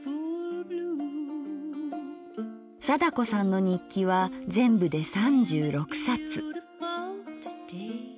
貞子さんの日記は全部で３６冊。